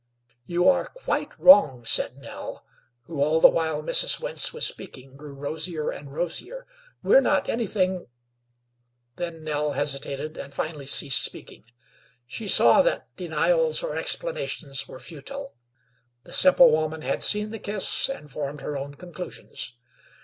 "You are quite wrong," said Nell, who all the while Mrs. Wentz was speaking grew rosier and rosier. "We're not anything " Then Nell hesitated and finally ceased speaking. She saw that denials or explanations were futile; the simple woman had seen the kiss, and formed her own conclusions.